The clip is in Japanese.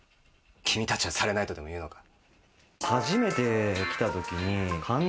君たちはされないとでも言うのか？